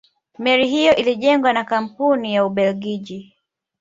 meli hiyo ilijengwa na kampuni ya ubelgiji